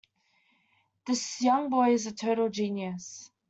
This young boy is a total genius.